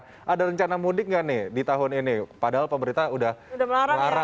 menurutmu ini mudik nggak nih di tahun ini padahal pemerintah udah melarang dari kemarin tanggal dua puluh dua april